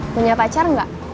punya pacar gak